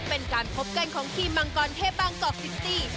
เป็นการพบกันของทีมมังกรเทพบางกอกซิตี้